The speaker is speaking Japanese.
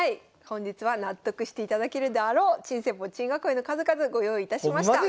本日は納得していただけるであろう珍戦法・珍囲いの数々ご用意いたしました。